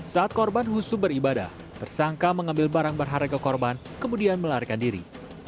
saat korban husu beribadah tersangka mengambil barang berharga korban kemudian melarikan diri